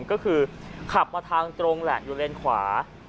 ก็คือขับมาทางตรงแหละอยู่เลนขวา